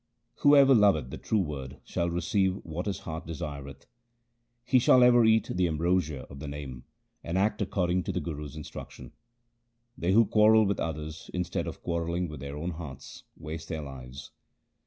Whoever loveth the true Word shall receive what his heart desireth. He shall ever eat the ambrosia of the Name, and act according to the Guru's instruction. They who quarrel with others, instead of quarrelling with their own hearts, waste their lives.